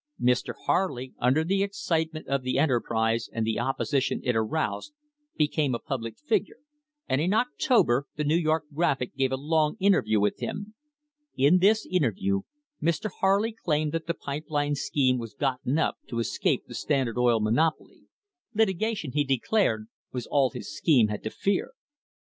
Mr. Harley, under the excitement of the enter prise and the opposition it aroused, became a public figure, and in October the New York Graphic gave a long interview with him. In this interview Mr. Harley claimed that the THE HISTORY OF THE STANDARD OIL COMPANY pipe line scheme was gotten up to escape the Standard Oil monopoly. Litigation, he declared, was all his scheme had to fear.